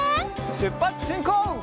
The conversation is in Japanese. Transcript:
しゅっぱつしんこう！